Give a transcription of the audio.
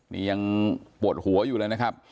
นี่ยังปวดหัวอยู่เลยนะครับ